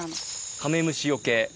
カメムシよけ。